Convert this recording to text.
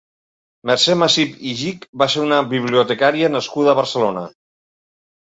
Mercè Macip i Gich va ser una bibliotecària nascuda a Barcelona.